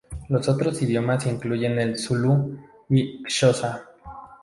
Otros idiomas incluyen el zulú y xhosa.